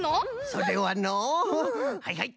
それはのうはいはい。